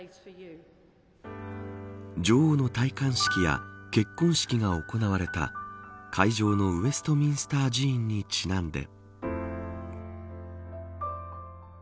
女王の戴冠式や結婚式が行われた会場のウェストミンスター寺院にちなんで。